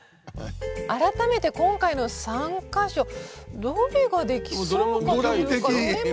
改めて今回の３か所どれができそうかというとどれも。